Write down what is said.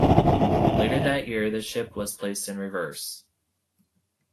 Later that year, the ship was placed in reserve.